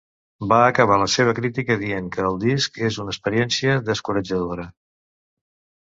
Va acabar la seva crítica dient que el disc és una experiència descoratjadora.